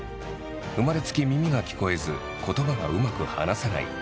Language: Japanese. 生まれつき耳が聞こえず言葉がうまく話せない。